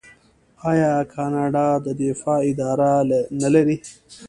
آیا کاناډا د دفاع اداره نلري؟